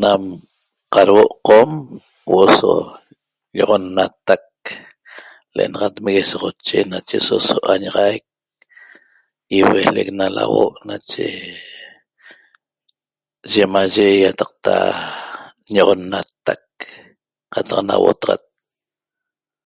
Nam qarhuo'o qom huo'o so lloxonnatac le' enaxat Meguesoxoche nache so 'añaxaic iueelec na lahuo' nache yemaye iataqta ñoxonnatac qataq nauotaxat